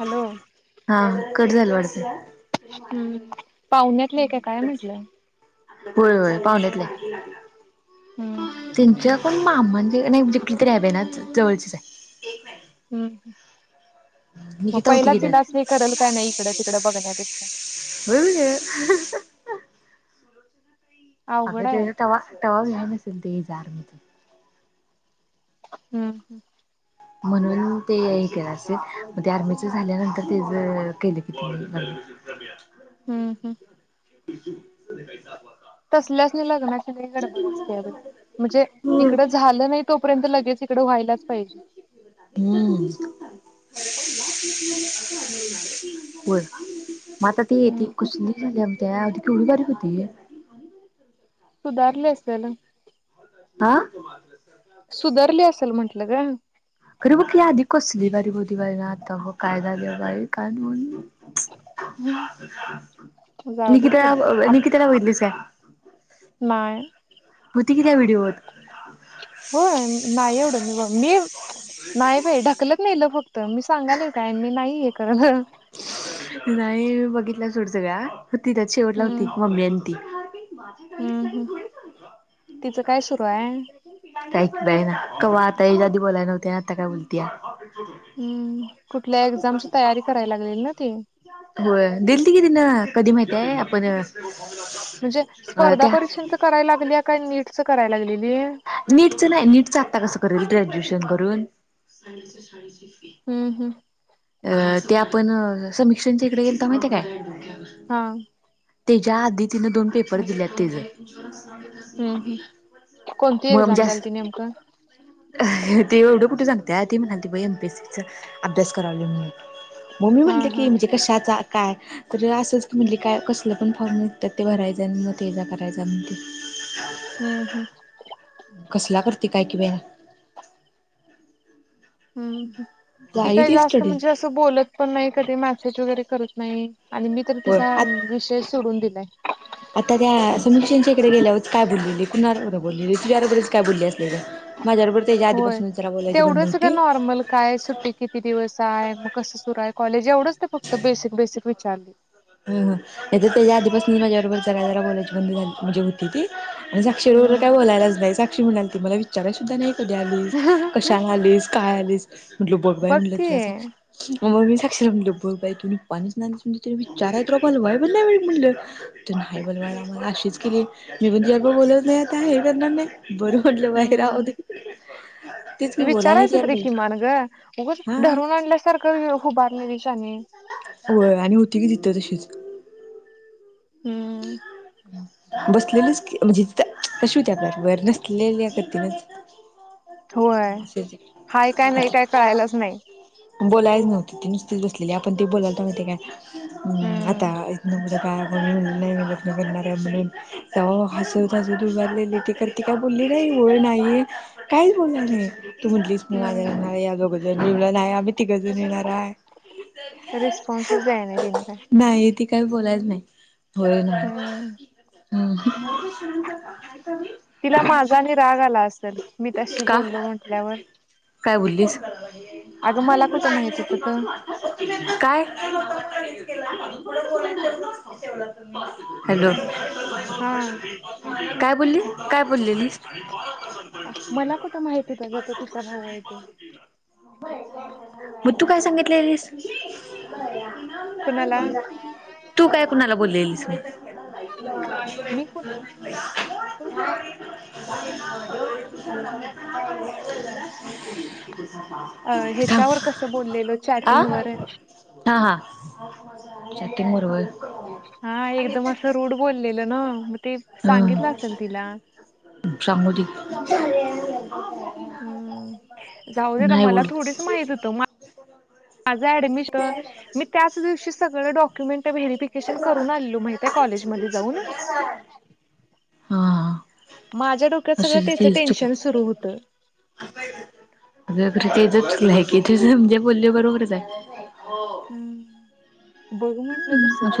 Hello हा cut झालं वाढत हम्म पाहुण्यातलं एक काय काय म्हटलं होय होय पावण्याततले हम्म तनच्या पण मामा म्हणजे नाहीजे कली तरी रॅवेन जवळचेच आहे हम्म हम् आहे मग निकिता होती पहिला की त्यात तिलाच हे करेल काय नाही इकडं तिकड बघण्यापेक्षा ब अग अवघड आहे तवा व्हायला नसलं त्याचं आर्मीत हम्म हम्म म्हणून ते हे केलं असेल आर्मीच झाल्यानंतर ते ज केलं किती हम्म हम् तसल्याच नाही लग्ना की नाही गडबड असते बाई म्हणजे इकड झालं नाही तोपर्यंत लगेच इकड व्हायलाच पाहिजे हम्म होय मग आता येती हम्म कसली झाले आता आधी केवढी बारीक होती सुधारले असेल हा सुधारली असेल म्हंटलं ग खरं बघ की ही आधी कसली बारीक होती बघ आता काय झालं बाई आता काय म्हणू हम्म जाऊ दे तिकडे निकिताला आप निकिताला बघितलीच नाही हो होय नाही एवढं मी नाही बाई ढकलत नाही ल फक्त मी सांगाल काय मी नाही हे करलं नाही बघितला सोड सगळ्या होती त्यात शेवटला हम्म होती मम्मी आणि ती [unintelligible] हम्म हम् तिचं काय सुरू आहे? [unintelligible] कायक आहे ना क वात आता ह्याच्या आधी बोलायला नव्ह्या आता काय बोलत हम् कुठल्या एक्झामची तयारी करायला ला हो दिल त कि तिन कधी माहितय आपण म्हणजे स्पर्धा त्या परीक्षेच कराय लागली का नीटचं कराय लागली नीटचं नाही नीटचं आत्ता कसं करेल ग्रॅज्युएशन करून हम्म हम्म अ.. ते आपण समीक्षांच्या इकडे गेल तर माहितीय काय हा त्याच्या आधी तिनं दोन पेपर दिलेत तेज हम्म हम्म कोणती मम एक्झाम जास् द्यालती नेमकं? ते एवढं कुठे सांगतया ती म्हणालती एम पी एस सी अभ्यास करालोय म्हणून म-मी हा म्हणलं हा की म्हणजे कशाचा काय तर असंच म्हणली काय कसलं पण फॉर्म निघतात ते भरायचं मग ते करायचाणते हम्म हम्म त काय कि बेया हम्म ती काही जास्त म्हणजे असं बोलत पण नाही कधी मॅसेज वगैरे करत नाही आणि मी तर होय तिचा आ विषयच सोडून दिलाय आता त्या समीक्षेच्या इकडे गेल्यावर काय बोललेले कुणाबरोबर बोलले तुझ्या बरोबरच काय बोलले असले ते जे आधी होय. पासूनच जरा वेळ तेवढंच ग नॉर्मल काय? सुट्टी किती दिवस आहे? मग कसं सुरू आहे कॉलेज एवढंच ते फक्त बे बेसिक बेसिक विचारली. ह ह तर त्याच्या आधी पसनंच माझ्या बरोबर, जरा जरा बोलायची बंद झाली म्हणजे होती ती. आणि साक्षी बरोबर काय हम्म बोलायलाच नाही, साक्षी म्हणालती मला विचारय सुद्धा नाहीं कधी आलीस, कशाला आलीस, काय आलीस, म्हटल बघ बाई म्हटलं तुला सा मग मी साक्षी ला म्हटलं बघ बाई तू [unintelligible] [unintelligible] नाही आता हे करणार नाही, बरं म्हटलं बाई राहू हम्म दे. तेच की बोलाय नाही ती विचारायचं यार तरी बाई किमान गं उगाच हा धरून आणल्यासारखं हुभारलेली शानी व्हय आणि हुती की तिथं तशीच. हम्म. बसलेलंच की म्हणजे त्या कशी होती आपल्या बरोबर [unintelligible] [inaudible] होय हाय काय नाही काय कळायलाच नाही? बोलायच नव्हती ती नुसतीच बसलेली आपण ते बोलावतो माहीत हाय काय हं हम्म आता म्हणजे काय म्हणून नाही मी लग्न करणार आहे म्हणून जावा हसत हसत उभारलेली की खरं ती काय बोलली नाहीं. हो नाही ये काहीच बोलली नाही तू म्हटलीस हम्म [unintelligible] [unintelligible] रिस्पॉन्संच द्याय नाही तिनं काय. नाही ती काही बोलायच नाही होय ना हम्म तिला माझा आणि राग आला [unintelligible] असेल मी तशी बोललो म्हटल्यावर काय बोललीस अगं मला कुठं माहित होत त काय? हॅलो. हा काय बोलली काय? बोललेलीस मला कुठं माहित होत ग तो तिचा भाऊ आहे ते मग तू काय सांगितलेलिस कुणाला तू काय कुणाला बोललेलीस [unintelligible] मी कुणाला काय बोलाय नव्हतो पण ते मी [unintelligible] म्हटलं नव्हतं तुला [unintelligible] अं हेच्यावर थांब कसं बोललेलं आ चॅटिंग वर हा हा [unintelligible] हा एकदम असं रूढ बोललेलं ना मग, ते सांगितलं असेल तिला. जामू दे हम्म जाऊ दे आता नाही मला बोल थोडीच माहित होतं माझं ऍडमिशन मी त्याच दिवशी सगळ डॉक्युमेंट व्हेररीफिकेशन करून आलेलो माहितेय कॉलेज [unintelligible] [inaudible] हां. माझ्या डोक्यात सगळं त्याचं टेन्शन सुरू होतं. [unintelligible] आहे कि ती जे बोलली ते बरोबरच हाय. हो. बघ म्हंटलं दुसरं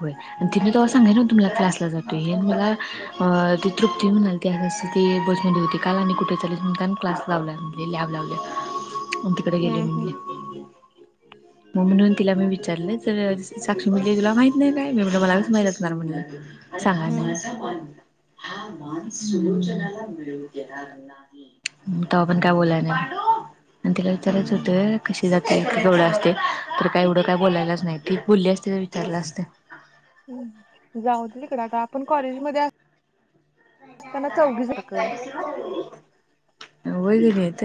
होय आणि ती नी तव्हा सांगितल होत, मला क्लासला जाते हे अ मला अ ती तृप्ती म्हणालीती आग अस ते बस मध्ये होती काल आणि कुठे चाललाय म्हणतान क्लास लावला म्हणजे लॅब लावल्या आ तिकडे गेले हम्म हम्म म्हणली मी म्हण तिला मी विचारले तर अ साक्षी म्हटली तुला माहित नाय काय मी म्हटल मला कस माहित असणार म्हटलं? सांगा हम्म ना हम्म तवा पण काय बोलला नाय. ह आणि तिला विचारायचं होत कशी जाते गवढं असते का एवढं काय बोलायलाच नाही ती भुली असते विचारला असते पण कॉलेज म असताना चौघी सारख होन येत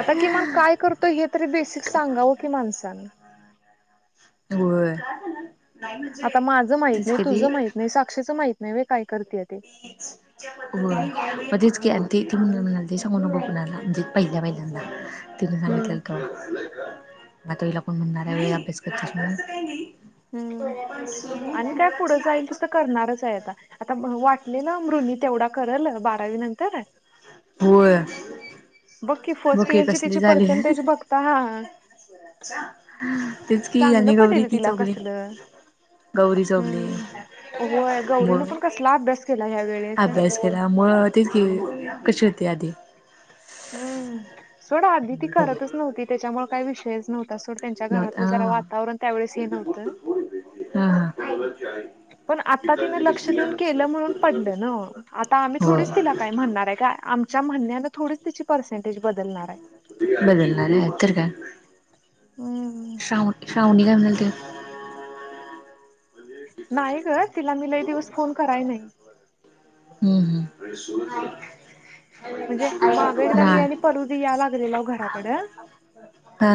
आता किमान काय करतो हे तरी बेसिक सांगावं की माणसानी होय आता माझं माहित तस नाही कध तुझं माहित नाही साक्षीचं माहित नाही व्हय काय करतेय ते हो मग तेच क आणि तेथी म्ह म्हणाला ते सांगू नको कणाला म्हणजे पहिल्या पहिल्यांना तिने हम्म सांगितलेलं तो मग तुला कोण म्हणणार आहे अभ्यास करत म्ह हम्म आणि काय पुढं जाईल तस करणारच आहे आता आता वाटले ना मृनी तेवढा करेल बारावी नंतर होय बघ बग फर्स्ट की इयर ची कसली तिची झाली पर्सेंटेज बघता हा तेच कि चांगलं यांनी गौरी पडेल ती तिला चोगली कसलं गौरी चोगूले हम्म होय म गौरीनं पण कसला अभ्यास केला ह्या वेळेस अभ्यास केला म तेच की कशी होती आदी हम्म सोडा आधी ती करतच नव्हती त्याच्यामुळे काय विषयच नव्हता सोड त्यांच्या नव्हत घरातलं जरा हा वातावरण त्यावेेळेस हे नव्हतं हा हा पण आता ति लक्ष देऊन केलं म्हणून पडलं न आता आम्ही थोडी होय तिला का म्हणणार आहे काय आम्ही आमच्या म्हणण्याने थोडीच तिची पर्सेंटेज बदलणार आहे हम्म. श्रावणी श्रावणी काय म्हणालते नाही ग तिला मी लय दिवस फोन कराय नाही हम्म म्हणजे हम् माग एकदा मी आणि परुदी या नाही लागलेलो घराकडं हा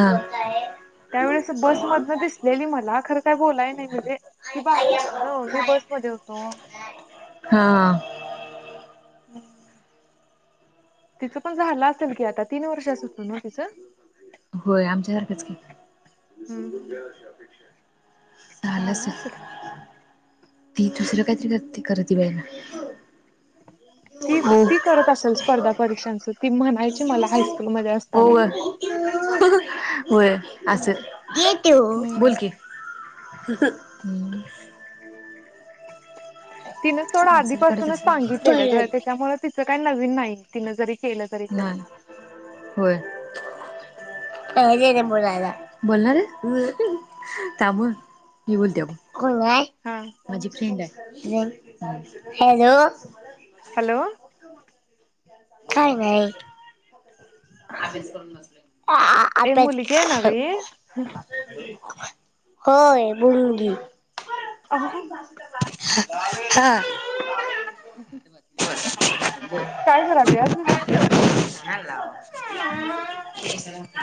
त्यावेळेस बस मधन दिसलेली मला खरं काय बोलाय नाही म्हणे ती बाहेर होती ना मी बस म हा म तिचं पण झालं असेल की आता तीन वर्ष अस होतो न तिचं झालं हम्म असल झालं असेल. ती दुसर काहीतरी कर करते बायना ती ती करत असेल स्पर्धा परीक्षांच ती म्हणायची मला हायस्कूलमध्ये हो असताना [inaudible] अस बोल हम्म. की ह तिन थोडं करत आधीपासूनच असेल सांगितलेलं ग त्याच्यामुळे तिचं काही नवीन नाही तिन जरी केलं तरी पण नाही होय बलायला बोलणार आहेस बर थांब ह मी बोलते कोण आहे हा माझी फ्रेंड आहे हॅलो हॅलो काय नाही ए आताच मुलगी आहे ना ग ही होय भुंगी अहो हा काय करायल्यास [unintelligible]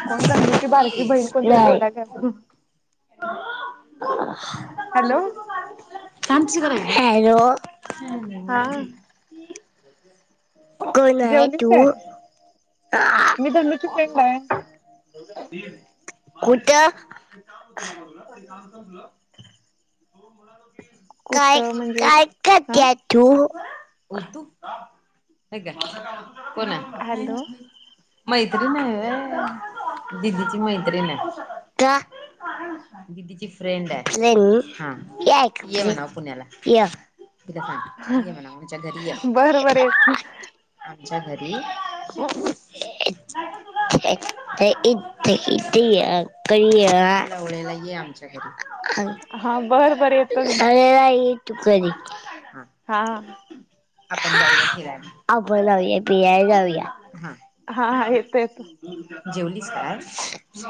कोण धनूची बारकी बहीण कोणतरी नाहीय बोलायल्या हॅलो हॅलो ह हा को जेवलीस काय नाय तू मी धनूची कुठ फ्रेंड आहे ते काम [unintelligible] ते काम संपलं काय कुठं म्हणजे काय हा काते. तू हॅलो [unintelligible] मैत्रीण व्हय दिदीची मैत्रीणे. दीदीची फ्रेंडे हा य म्हणाव पुण्याला. तीला साग य म्हणाव आमच्या घरी य बर बर येत अम्हच्या घरी [unintelligible] [unintelligible] ह. हा बरं बर येतो की. तु घरी. हा हा. आपण जाऊया फीरायला जाउया हा. हा येतो येतो. जेवलीस काय आज्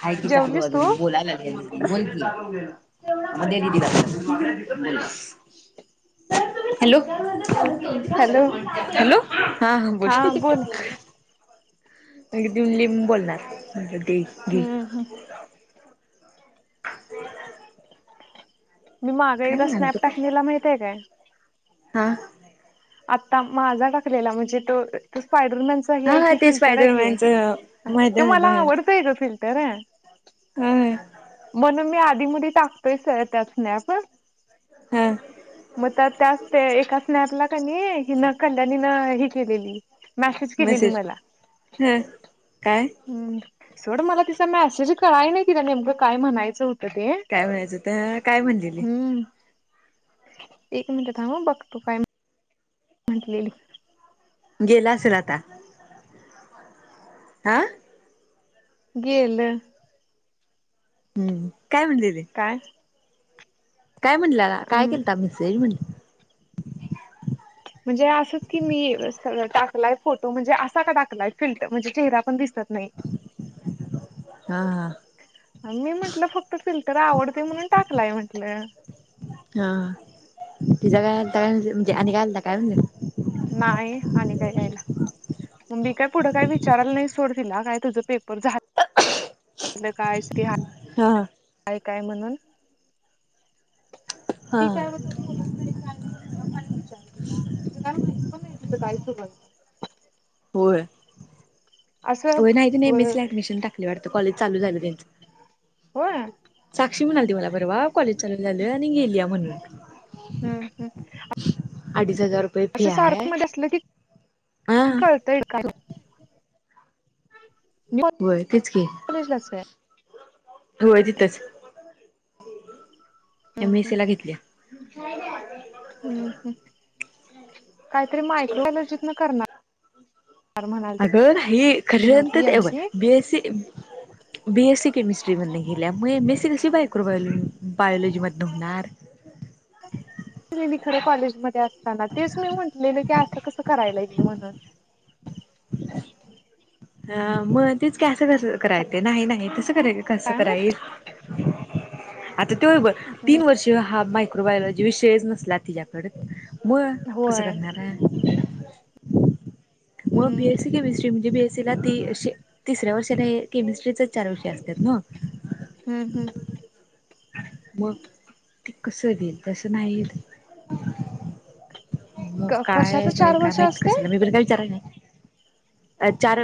हाहे की चालू जेवलीस तू अजून बोलाय लागेल. बोल की म दे दीदी ला फोन, बोल. हॅलो. हॅलो हा हा बोला. [unintelligible] बोलणार म्ह हम्म हम्म. हो [inaudible] मी माग एकदा स्नॅप टॅकलेला माहितय काय. हा. आता माझा टाकलेला म्हणजे तो त पा. द हा आहे हा की ते फिल्टर आहे स्पायडरमॅनच की माहिती ते मला आवडतंय ग फिल्टरे हम्म. म्हणून मी आधी मधी टाकतोय स त्याच स्नॅप वर. हा मग त्या त्याच ते एका स्नॅपला कनी हिन कल्याणी न हे केलेली. मॅसेज केलेली मेसेज मला. ह काय हम्म. सोड मला तिचा मेसेज कळाय नाही तीला नेमकं काय म्हणायचं हो काय म्हणायचं त काय म्हणलेली. हम्म एक मिनट थांब ह बघ तू काय म्हटलेल. गेला असेल आता. आ. गेल. हम्म काय म्हणलेली. काय काय म्हणलंला काय केलता आपण सैल म्हणली म्हणजे असच की मी टाकलाय फोटो म्हणजे असा का टाकलाय? फिल्ट म्हणजे चेहरा पण दिसत तनाहीत. हा हा. मी म्हटलं फक्त फिल्टर आवडते म्हणून टाकलाय म्हंटलं. हा तीचा काय आलता आणि काय आलता काय म्हटली. नाही आणि काय यायला. मग मी काय पुढं काय विचाराला नाही सोड तीला काय तुझं पेप र झाल कायस की हा हा काय काय म्हणून. हा ती काय बोलत नाही काय नाही म्हटलं काय विचार तिला तिचं काय माहित पण नाही काही सु होय. हो असं नाही एमएस ऍडमिशन टाकलं वाटत कॉलेज चालू झालं. होय. लक्ष्मी म्हणाली त मला परवा कॉलेज चालू झालं आणि गेलीया म्हणून. हम्म हम्म अडीच हजार रुपये फी असं आहे सारखं मध्ये असलं ती हा कळतय कारू होय तेच की [unintelligible] काय? होय तिथच एम एसी ला घेतल्या. हम्म हम् काहीतरी मायक्रो अलर्जीत करणार अग म्हणाली ह खरंत नव्हती एम तेव C BSc BSc chemistry म्हणणे ह म मेसशी बायकोबा बायोलॉजी मधून होणार कॉलेज मध्ये असताना तेच मी म्हटलेलं की अस कस करायला गेल म्हणून? [inaudible] ह मग तेच कसं कस करायच नाही नाही तसं कराय कसं काय माहित कराईल आता ते तीन वर्ष हा मायक्रोबायोलॉजी विषयच नसला तिच्याकड म कस होय करणार ये? मग बी हम्म एस सी केमिस्ट्री म्हणजे तिला ती तिसऱ्या वर्षाला केमेस्ट्री चार वर्ष असत्यात नव्ह? हम्म हम्म मग ते कस दिलं तसं नाही इत. मग कशाच काय बाई, चार काय वर्ष माहित असते कशाला मी पण काय विचारलं नाही चार